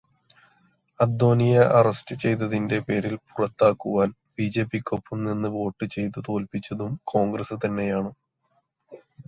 അദ്വാനിയെ arrest ചെയ്തതിന്റെ പേരില് പുറത്താക്കുവാന്, ബിജെപിക്കൊപ്പം നിന്ന് വോട്ട് ചെയ്തു തോല്പിച്ചതും കോണ്ഗ്രസ്സ്സ് തന്നെയാണ്.